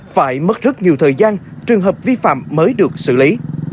phải mất rất nhiều thời gian trường hợp vi phạm mới được xử lý